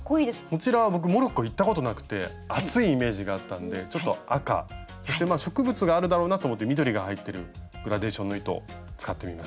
こちら僕モロッコ行ったことなくて暑いイメージがあったんでちょっと赤そして植物があるだろうなと思って緑が入ってるグラデーションの糸使ってみました。